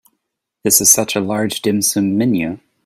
This is such a large dim sum menu.